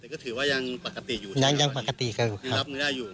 ก็ถือว่ายังปกติอยู่ยังปกติครับ